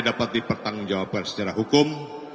dapat dipertanggungjawabkan secara hukum